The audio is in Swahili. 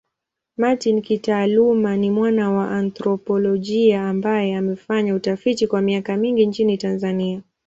Martin kitaaluma ni mwana anthropolojia ambaye amefanya utafiti kwa miaka mingi nchini Tanzania.